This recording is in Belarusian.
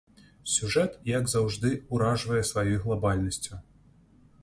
Сюжэт, як заўжды, уражвае сваёй глабальнасцю.